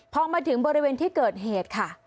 พอมาถึงบริเวณที่เกิดเหตุค่ะ